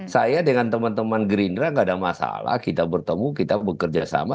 saya dengan teman teman gerindra gak ada masalah kita bertemu kita bekerja sama